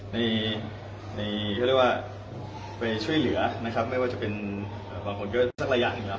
ในเขาเรียกว่าไปช่วยเหลือนะครับไม่ว่าจะเป็นบางคนเยอะสักระยะหนึ่งนะครับ